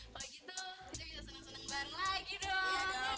kalo gitu kita seneng seneng bareng lagi dong